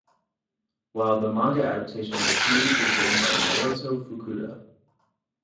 While the manga adaptation of the series is written by Naoto Fukuda.